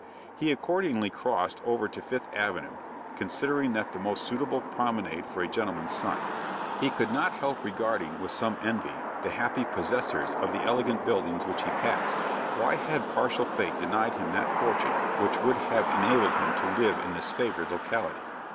He accordingly crossed over to Fifth Avenue, considering that the most suitable promenade for a gentleman's son. He could not help regarding with some envy the happy possessors of the elegant buildings which he passed. Why had partial Fate denied him that fortune which would have enabled him to live in this favored locality?